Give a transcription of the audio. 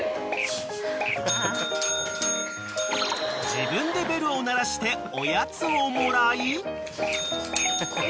［自分でベルを鳴らしておやつをもらい］